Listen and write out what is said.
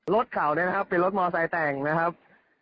รถเขาเป็นรถมอเตอร์ไซค์แต่งนะครับ